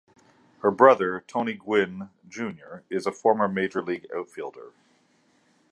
Her brother, Tony Gwynn, Junior is a former major league outfielder.